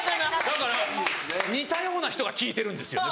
だから似たような人が聴いてるんですよね